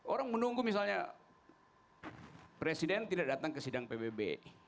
orang menunggu misalnya presiden tidak datang ke sidang pbb